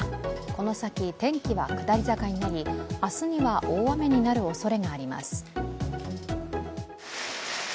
この先天気は下り坂になり明日には大雨になるおそれがあります。